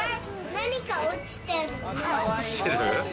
何か落ちてる。